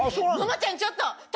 萌々ちゃんちょっと！